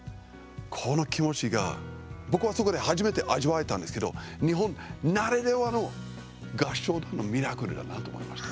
この気持ちが、僕はそこで初めて味わえたんですけど日本ならではの合唱団のミラクルだなと思いました。